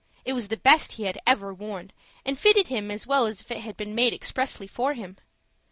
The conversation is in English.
It was the best he had ever worn, and fitted him as well as if it had been made expressly for him.